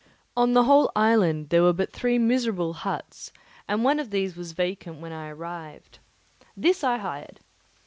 On the whole island there were but three miserable huts, and one of these was vacant when I arrived. This I hired.